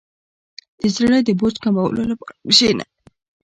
• د زړۀ د بوج کمولو لپاره کښېنه.